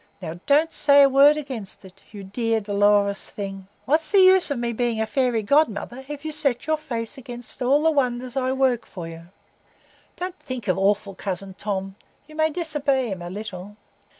Now don't say a word against it, you dear dolorous thing. What is the use of my being a fairy godmother, if you set your face against all the wonders I work for you? Don't think of awful cousin Tom; you may disobey him a little."